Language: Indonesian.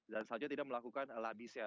dan selanjutnya tidak melakukan labisan